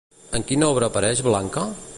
En quina obra apareix Blanca?